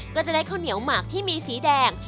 ก็จะได้ข้าวเหนียวหมากที่มีสีแดง